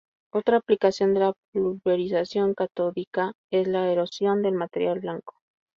Otra aplicación de la pulverización catódica es la erosión del material blanco.